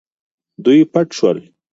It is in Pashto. دوی پټ شول.